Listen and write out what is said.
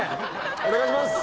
お願いします！